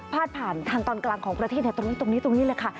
พาดผ่านทางตอนกลางของประเทศตรงนี้ตรงนี้ตรงนี้เลยค่ะ